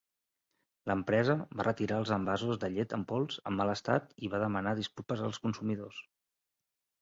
L'empresa va retirar els envasos de llet en pols en mal estat i va demanar disculpes als consumidors.